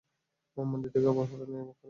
মন্দির থেকে অপহরণ করা প্ল্যান এ।